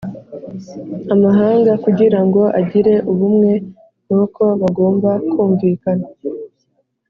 amahanga kugira ngo agire ubumwe nuko bagomba kumvikana